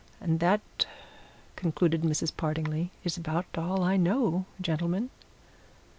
And that," concluded Mrs. Partingley, "is about all I know, gentlemen."